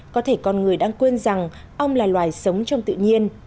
có thể con người đang quên rằng ong là loài sống trong tự nhiên